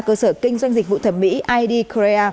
cơ sở kinh doanh dịch vụ thẩm mỹ idk